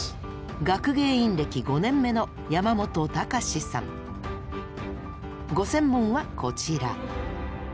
学芸員歴５年目のご専門はこちら。